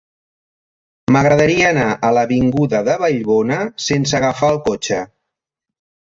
M'agradaria anar a l'avinguda de Vallbona sense agafar el cotxe.